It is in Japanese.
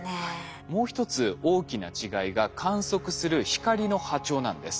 もう一つ大きな違いが観測する光の波長なんです。